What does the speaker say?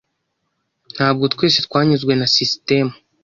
Ntabwo twese twanyuzwe na sisitemu.